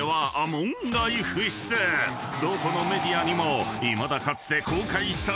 ［どこのメディアにもいまだかつて公開したことがない］